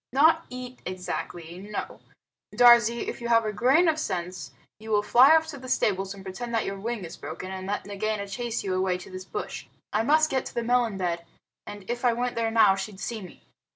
"Not eat exactly; no. Darzee, if you have a grain of sense you will fly off to the stables and pretend that your wing is broken, and let Nagaina chase you away to this bush. I must get to the melon bed, and if I went there now she'd see me."